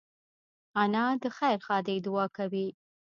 انا د خیر ښادۍ دعا کوي